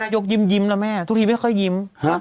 ยกยิ้มละแม่ทุกทีไม่เคยยิ้ม